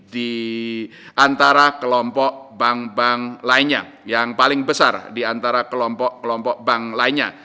di antara kelompok bank bank lainnya yang paling besar diantara kelompok kelompok bank lainnya